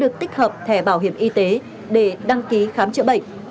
kẻ bảo hiểm y tế để đăng ký khám chữa bệnh